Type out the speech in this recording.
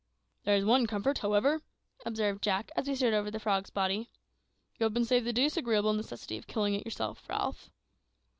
"There's one comfort, however," observed Jack, as we stood over the frog's body: "you have been saved the disagreeable necessity of killing it yourself, Ralph."